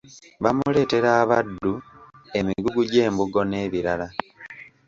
Bamuleetera abaddu, emigugu gy’embugo n’ebirala.